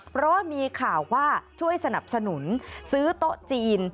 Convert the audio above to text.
เพราะว่ามีข่าวว่าช่วยสนับสนุนซื้อโต๊ะจีน